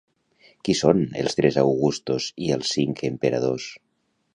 Qui són els tres augustos i els cinc emperadors?